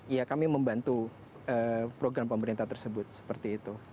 ya kami membantu program pemerintah tersebut seperti itu